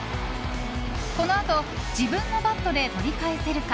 このあと自分のバットで取り返せるか。